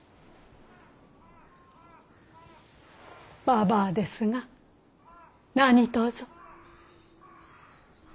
ばばあですが何とぞ。